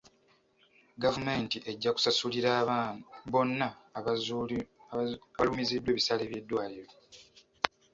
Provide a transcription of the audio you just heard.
Gavumementi ejja kusasulira bonna abalumiziddwa ebisale by'eddwaliro.